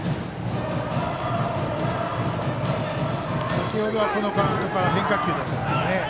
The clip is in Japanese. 先ほどはこのカウントから変化球でいってますけどね。